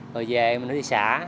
rồi về mình đi xả